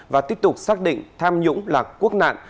và tiếp tục xác định tham nhũng là quốc nạn